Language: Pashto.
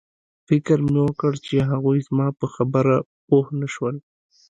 فکر مې وکړ چې هغوی زما په خبره پوه نشول